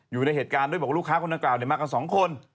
อยู่ในเหตุการณ์ด้วยบอกว่าลูกค้าคนดังกล่าวมากับสองคน